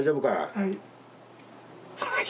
はい。